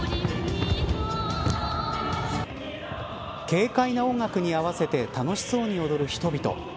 軽快な音楽に合わせて楽しそうに踊る人々。